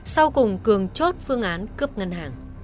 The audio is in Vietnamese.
sau cùng cường chốt phương án cướp ngân hàng